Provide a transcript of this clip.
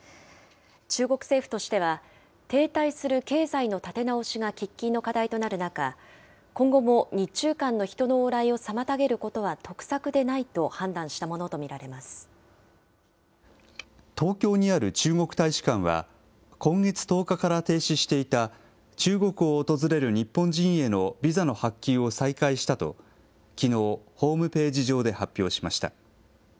中国政府としては、停滞する経済の立て直しが喫緊の課題となる中、今後も日中間の人の往来を妨げることは得策でないと判断したもの東京にある中国大使館は、今月１０日から停止していた中国を訪れる日本人へのビザの発給を再開したと、きのう、ホームページ上で発表しました。